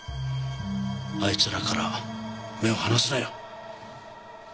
あいつらから目を離すなや！